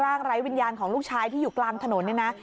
ไร้วิญญาณของลูกชายที่อยู่กลางถนนเนี่ยนะ